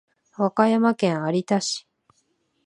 和歌山県有田市